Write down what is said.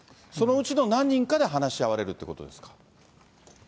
そのうちの何人かで話し合われるということですか。